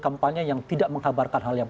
kampanye yang tidak mengkabarkan hal yang